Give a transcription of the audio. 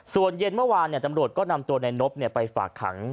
ส่วนเย็นเมื่อวานเนี่ยตำรวจก็นำตัวนายนบเนี่ยไปฝากขัง